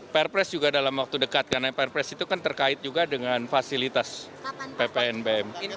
perpres juga dalam waktu dekat karena perpres itu kan terkait juga dengan fasilitas ppnbm